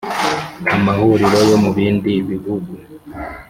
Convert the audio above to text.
amahuriro yo mu bindi bihugu